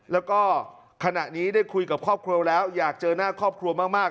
แล้วก็ขณะนี้ได้คุยกับครอบครัวแล้วอยากเจอหน้าครอบครัวมาก